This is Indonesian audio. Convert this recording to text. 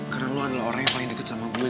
karena lo adalah orang yang paling deket sama gue